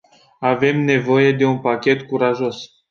Avem nevoie de un pachet curajos.